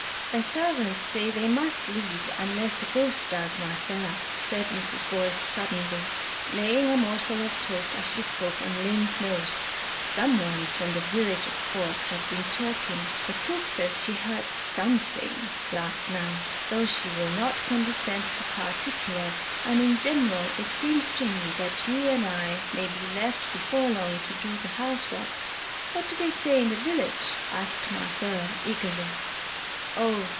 "The servants say they must leave unless the ghost does, Marcella," said Mrs. Boyce, suddenly, laying a morsel of toast as she spoke on Lynn's nose. "Someone from the village of course has been talking the cook says she heard something last night, though she will not condescend to particulars and in general it seems to me that you and I may be left before long to do the house work." "What do they say in the village?" asked Marcella eagerly. "Oh!